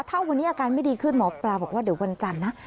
ถ้าวันนี้อาการไม่ดีขึ้นหมอปลาบอกว่าเดี๋ยววันจันทร์นะ